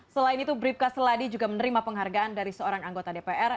selain itu bribka seladi juga menerima penghargaan dari seorang anggota dpr